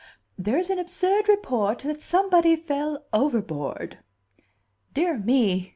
"There is an absurd report that somebody fell overboard." "Dear me!"